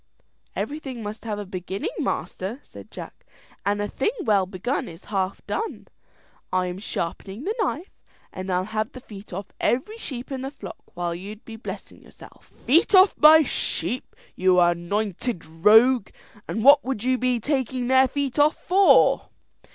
"Everything must have a beginning, master," said Jack, "and a thing well begun is half done. I am sharpening the knife, and I'll have the feet off every sheep in the flock while you'd be blessing yourself." "Feet off my sheep, you anointed rogue! and what would you be taking their feet off for?"